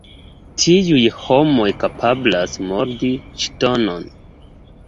Tiuj homoj kapablas mordi ŝtonon!